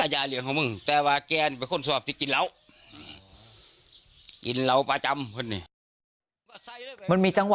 ให้ใครจับมีดเลยคุณไกรต้องเอาจับมีดเลย